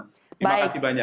terima kasih banyak